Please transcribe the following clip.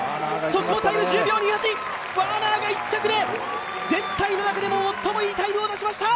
速報タイム１０秒２８、ワーナーが１着で全体の中で最もいいタイムを出しました。